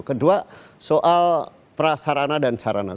kedua soal prasarana dan sarana